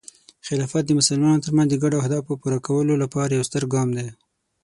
خلافت د مسلمانانو ترمنځ د ګډو اهدافو پوره کولو لپاره یو ستر ګام دی.